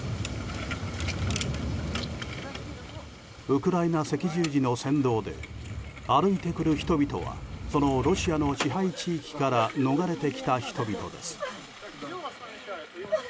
ウクライナ赤十字の先導で歩いてくる人々はそのロシアの支配地域から逃れてきた人々です。